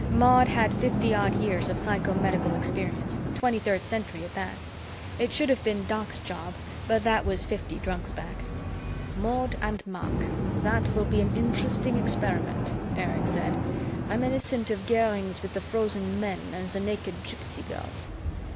Maud had fifty odd years of psychomedical experience, 23rd Century at that. It should have been Doc's job, but that was fifty drunks back. "Maud and Mark, that will be an interesting experiment," Erich said. "Reminiscent of Goering's with the frozen men and the naked gypsy girls."